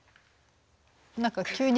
何か急に。